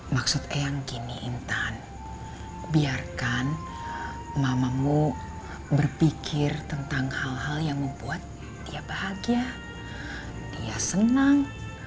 maksud eyang kini intan biarkan mamamu berpikir tentang hal hal yang membuat dia bahagia dia senang